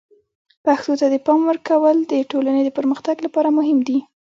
پښتو ته د پام ورکول د ټولنې د پرمختګ لپاره مهم دي.